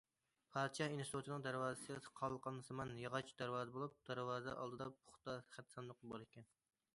پادىشاھ ئىنستىتۇتىنىڭ دەرۋازىسى قالقانسىمان ياغاچ دەرۋازا بولۇپ، دەرۋازا ئالدىدا پوچتا خەت ساندۇقى بار ئىكەن.